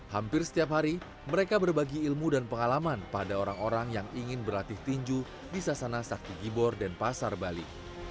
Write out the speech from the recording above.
hampir setiap hari mereka berbagi ilmu dan pengalaman pada orang orang yang ingin berlatih tinju di sasana sakti gibor dan pasar bali